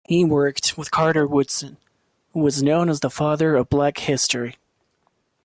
He worked with Carter Woodson, who was known as the "Father of Black History".